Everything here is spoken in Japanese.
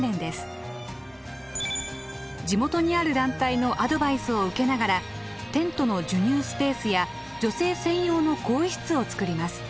地元にある団体のアドバイスを受けながらテントの授乳スペースや女性専用の更衣室を作ります。